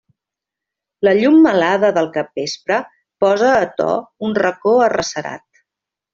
La llum melada del capvespre posa a to un racó arrecerat.